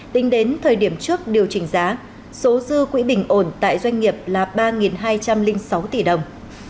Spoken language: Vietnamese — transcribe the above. tính đến thời điểm trước điều chỉnh giá số dư quỹ bình ổn tại doanh nghiệp là ba hai trăm linh sáu tỷ đồng